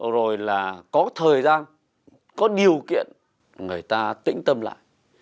rồi là có thời gian có điều kiện người ta tĩnh tâm lại